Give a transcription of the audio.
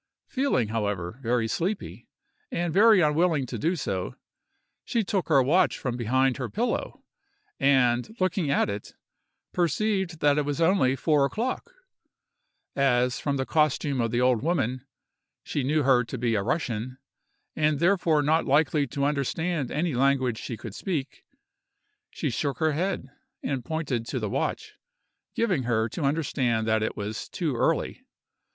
Feeling, however, very sleepy, and very unwilling to do so, she took her watch from behind her pillow, and, looking at it, perceived that it was only four o'clock. As, from the costume of the old woman, she knew her to be a Russian, and therefore not likely to understand any language she could speak, she shook her head, and pointed to the watch, giving her to understand that it was too early.